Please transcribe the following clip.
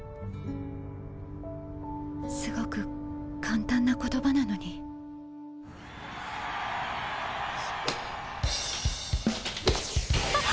すごく簡単な言葉なのに・あっ！